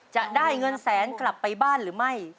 จะได้เงินแสนกลับไปบ้านหรือไม่